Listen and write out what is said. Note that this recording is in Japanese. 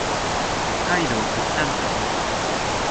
北海道倶知安町